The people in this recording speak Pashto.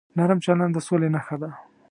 نرم چلند د سولې نښه ده.